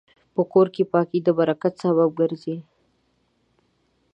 په کور کې پاکي د برکت سبب ګرځي.